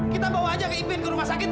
kita bawa aja ke event ke rumah sakit